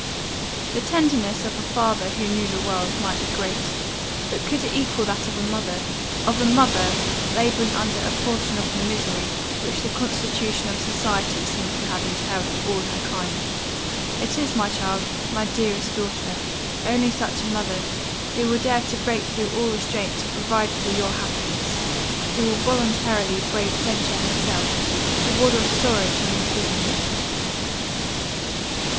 "The tenderness of a father who knew the world, might be great; but could it equal that of a mother of a mother, labouring under a portion of the misery, which the constitution of society seems to have entailed on all her kind? It is, my child, my dearest daughter, only such a mother, who will dare to break through all restraint to provide for your happiness who will voluntarily brave censure herself, to ward off sorrow from your bosom.